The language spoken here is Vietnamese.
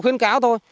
tiến cáo thôi